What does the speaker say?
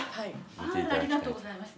ありがとうございます。